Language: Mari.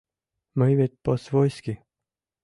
Мый вет по-свойски.